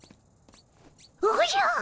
おじゃ！